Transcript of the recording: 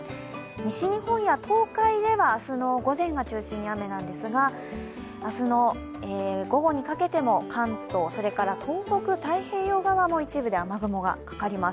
西日本や東海では明日の午前が中心に雨なんですが明日の午後にかけても関東、東北、太平洋側でも一部で雨雲がかかります。